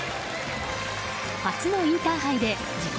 初のインターハイで自己